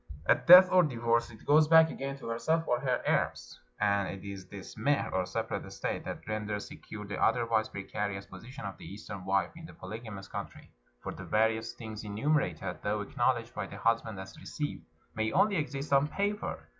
At death or divorce it goes back again to herself or her heirs. And it is this mehr, or separate estate, that renders secure the otherwise precarious position of the Eastern wife in a polygamous country; for the various things enumer ated, though acknowledged by the husband as received, may only exist on paper.